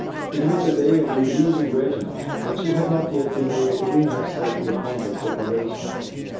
It was the day of releasing Reginald, but she had not yet been able to bring herself to the point of separation.